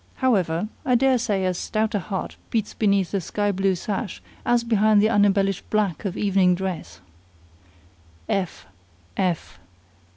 However, I dare say as stout a heart beats beneath a sky blue sash as behind the unembellished black of evening dress."